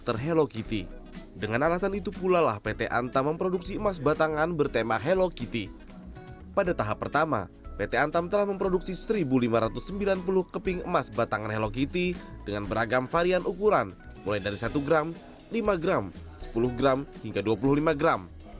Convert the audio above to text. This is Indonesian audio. emas batangan hello kitty dengan beragam varian ukuran mulai dari satu gram lima gram sepuluh gram hingga dua puluh lima gram